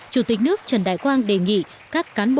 chủ tịch nước trần đại quang đề nghị các cán bộ